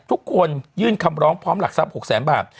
ทุกคนยื่นคำร้องพร้อมหลักทรัพย์๖แสนบาท